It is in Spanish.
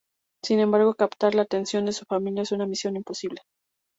Sin embargo, captar la atención de su familia es una misión imposible.